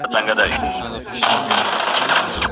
تدریس په ښوونځي پورې محدود دی خو پوهنه نه ده.